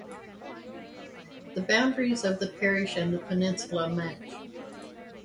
The boundaries of the parish and the peninsula match.